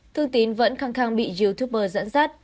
thương tín vẫn khăng khăng bị youtuber dẫn dắt